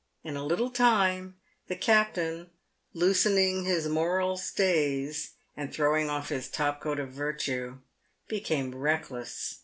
In a little time, the captain, loosening his moral stays, and throwing off his top coat of virtue, became reckless.